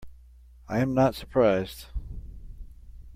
I am not surprised.